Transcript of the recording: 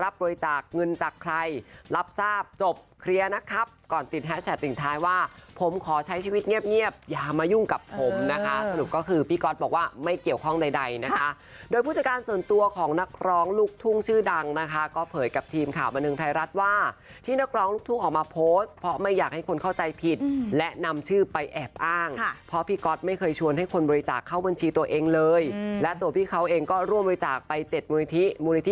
พี่ก๊อตบอกว่าไม่เกี่ยวข้องใดนะคะโดยผู้จัดการส่วนตัวของนักร้องลูกทุ่งชื่อดังนะคะก็เผยกับทีมข่าวบันทึงไทยรัฐว่าที่นักร้องลูกทุ่งออกมาโพสต์เพราะไม่อยากให้คนเข้าใจผิดและนำชื่อไปแอบอ้างเพราะพี่ก๊อตไม่เคยชวนให้คนบริจาคเข้าบัญชีตัวเองเลยและตัวพี่เขาเองก็ร่วมบริจาคไป๗มูลน